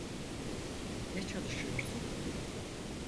Ne çalışıyorsun?